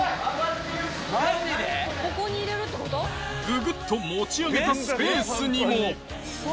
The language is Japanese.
ググっと持ち上げたスペースにも！